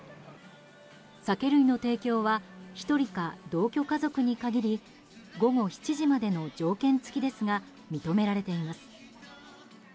酒類の提供は１人か同居家族に限り午後７時までの条件付きですが認められています。